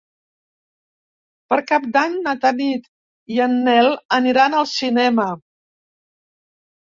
Per Cap d'Any na Tanit i en Nel aniran al cinema.